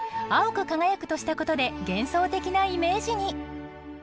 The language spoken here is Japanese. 「青く輝く」としたことで幻想的なイメージに。